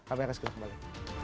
kpk segera kembali